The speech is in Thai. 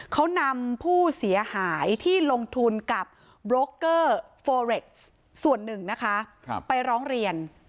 เขานำผู้เสียหายที่ลงทุนกับโบรกเกอร์โฟเร็กซ์ส่วนหนึ่งนะคะไปร้องเรียน